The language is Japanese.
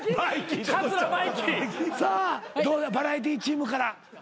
さあどうやバラエティーチームから。